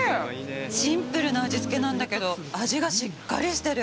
シンプルな味付けなんだけど、味がしっかりしてる。